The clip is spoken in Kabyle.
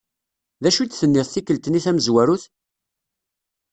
Dacu i d-tenniḍ tikkelt-nni tamezwarut?